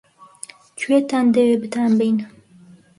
-کوێتان دەوێ بتانبەین؟